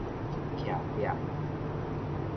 徛壁